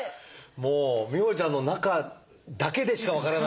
もう美帆ちゃんの中だけでしか分からない。